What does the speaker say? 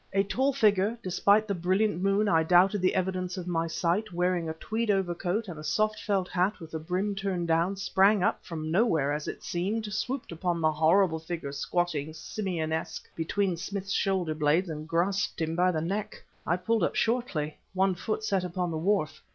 A tall figure (despite the brilliant moon, I doubted the evidence of my sight), wearing a tweed overcoat and a soft felt hat with the brim turned down, sprang up, from nowhere as it seemed, swooped upon the horrible figure squatting, simianesque, between Smith's shoulder blades, and grasped him by the neck. I pulled up shortly, one foot set upon the wharf.